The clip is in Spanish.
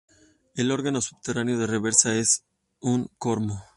El órgano subterráneo de reserva es un cormo.